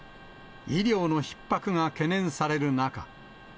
医療のひっ迫が懸念される中。